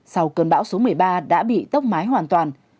sau cơn bão số một mươi ba đã bị tốc mái hoàn toàn